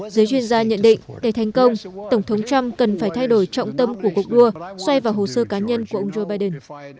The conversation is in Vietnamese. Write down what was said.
giới chuyên gia nhận định để thành công tổng thống trump cần phải thay đổi trọng tâm của cuộc đua xoay vào hồ sơ cá nhân của ông joe biden